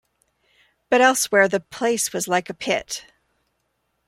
But elsewhere the place was like a pit.